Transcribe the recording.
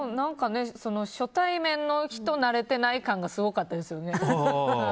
初対面の人慣れていない感がすごかったですよね。